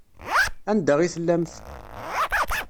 Anda i tellamt?